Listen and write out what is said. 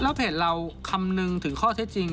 และเพจเราคำหนึ่งถึงข้อทริปจริง